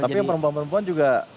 tapi perempuan perempuan juga